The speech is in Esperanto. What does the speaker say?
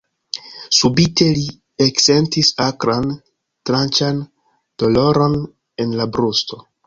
Subite li eksentis akran, tranĉan doloron en la brusto.